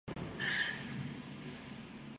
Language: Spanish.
Tomó clases con el gran maestro Ángel R. Esquivel.